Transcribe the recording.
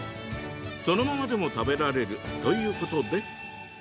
そのままでも食べられるということで。